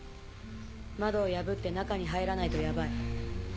窓を破って中に入らないとヤバい。